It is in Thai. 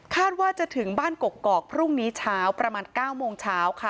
ว่าจะถึงบ้านกกอกพรุ่งนี้เช้าประมาณ๙โมงเช้าค่ะ